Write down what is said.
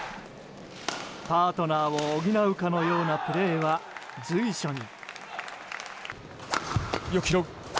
パートナーを補うかのようなプレーが随所に。